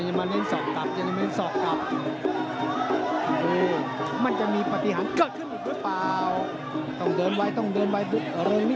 เมื่อเวลาจะจับก็จับได้น่ะอ่ะจับได้เลยโอ้โหเห็นอย่างงั้น